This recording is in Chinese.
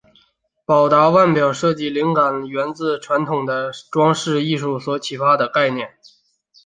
宝达腕表设计灵感源自传统的装饰艺术所启发的概念。